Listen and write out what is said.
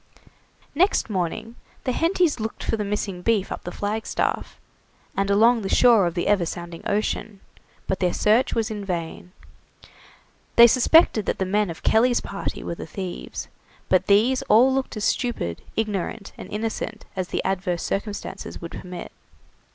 Next morning the Hentys looked for the missing beef up the flagstaff, and along the shore of the ever sounding ocean, but their search was vain. They suspected that the men of Kelly's party were the thieves, but these all looked as stupid, ignorant, and innocent as the adverse circumstances would permit.